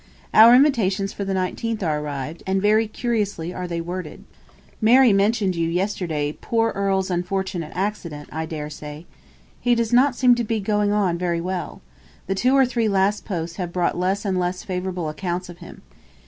Our invitations for the 19th are arrived, and very curiously are they worded. Mary mentioned to you yesterday poor Earle's unfortunate accident, I dare say. He does not seem to be going on very well. The two or three last posts have brought less and less favourable accounts of him.